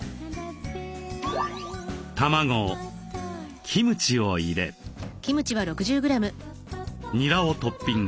卵キムチを入れにらをトッピング。